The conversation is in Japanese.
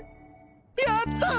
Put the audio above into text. やった！